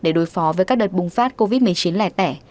để đối phó với các đợt bùng phát covid một mươi chín lẻ tẻ